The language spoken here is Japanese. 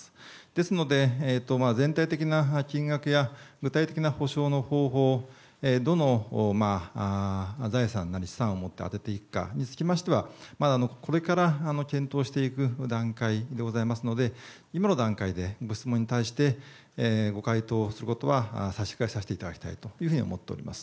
ですので、全体的な金額や具体的な補償の方法、どの財産なり資産をもって充てていくかにつきましては、まだこれから検討していく段階でございますので、今の段階で、ご質問に対してご回答することは差し控えさせていただきたいというふうに思っております。